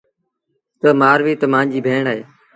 تا مآرويٚ تا مآݩجيٚ ڀيڻ اهي۔